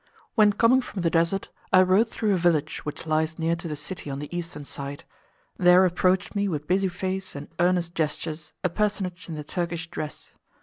When coming from the Desert I rode through a village which lies near to the city on the eastern side, there approached me with busy face and earnest gestures a personage in the Turkish dress.